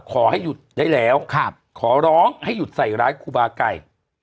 ขอให้หยุดได้แล้วขอร้องให้หยุดใส่ร้ายครูบาไก่